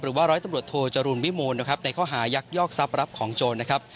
หรือว่าร้อยตำรวจโทจรูลวิมูลนะครับในข้อหายักยอกทรัพย์รับของโจรนะครับ